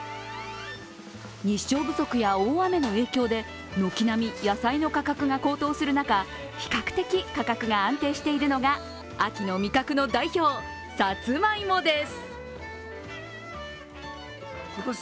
日照不足や大雨の影響で軒並み野菜の価格が高騰する中、比較的価格が安定しているのが秋の味覚の代表・さつまいもです。